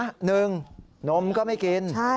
หนึ่งนมก็ไม่กิน